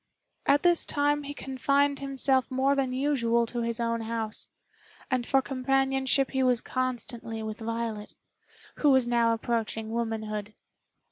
At this time he confined himself more than usual to his own house, and for companionship he was constantly with Violet, who was now approaching womanhood.